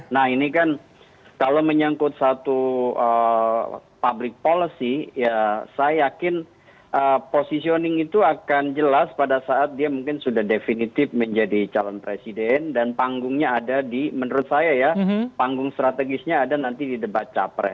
nah ini kan kalau menyangkut satu public policy ya saya yakin positioning itu akan jelas pada saat dia mungkin sudah definitif menjadi calon presiden dan panggungnya ada di menurut saya ya panggung strategisnya ada nanti di debat capres